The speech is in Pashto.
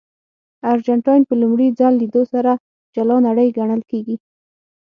ارجنټاین په لومړي ځل لیدو سره جلا نړۍ ګڼل کېږي.